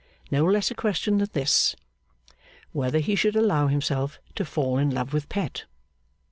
No less a question than this: Whether he should allow himself to fall in love with Pet?